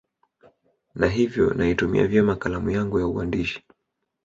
na hivyo naitumia vyema kalamu yangu ya uandishi